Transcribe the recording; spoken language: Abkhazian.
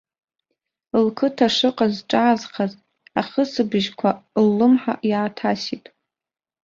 Лқыҭа шыҟаз зҿаазхаз ахысбыжьқәа ллымҳа иааҭасит.